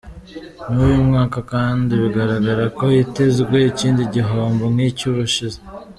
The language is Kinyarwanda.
N’uyu mwaka kandi bigaragara ko hitezwe ikindi gihombo nk’icy’ubushize.